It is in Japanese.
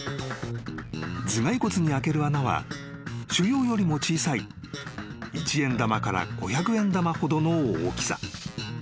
［頭蓋骨に開ける穴は腫瘍よりも小さい一円玉から五百円玉ほどの大きさ］